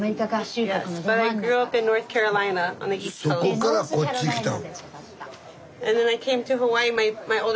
そこからこっち来たの。